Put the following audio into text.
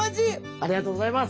ありがとうございます。